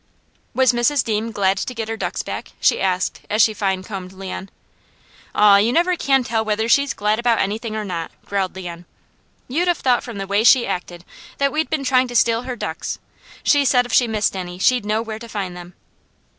"Was Mrs. Deam glad to get her ducks back?" she asked as she fine combed Leon. "Aw, you never can tell whether she's glad about anything or not," growled Leon. "You'd have thought from the way she acted, that we'd been trying to steal her ducks. She said if she missed any she'd know where to find them."